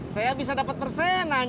saya bisa dapet persenan